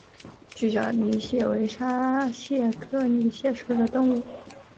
锯脚泥蟹为沙蟹科泥蟹属的动物。